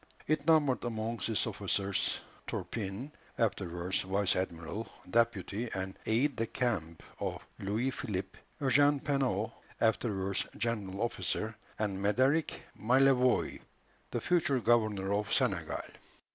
It numbered among its officers, Turpin, afterwards vice admiral, deputy, and aide de camp of Louis Philippe; Eugène Penaud, afterwards general officer, and Médéric Malavois, the future governor of Senegal.